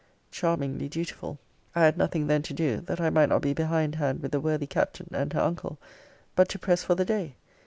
Charmingly dutiful! I had nothing then to do, that I might not be behind hand with the worthy Captain and her uncle, but to press for the day.